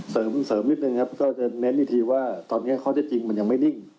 เสริมเสริมนิดนึงครับก็จะเน้นอีกทีว่าตอนนี้ข้อเท็จจริงมันยังไม่นิ่ง